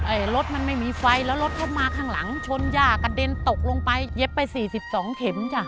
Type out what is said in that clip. ไอ้รถมันไม่มีไฟแล้วรถเข้ามาข้างหลังชนย่ากระเด็นตกลงไปเย็บไป๔๒เฉิมจ้ะ